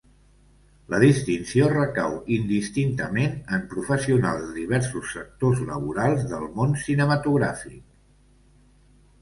La distinció recau indistintament en professionals de diversos sectors laborals del món cinematogràfic.